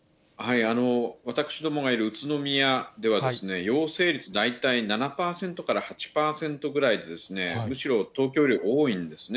私どもがいる宇都宮では、陽性率、大体７％から８％ぐらいで、むしろ東京より多いんですね。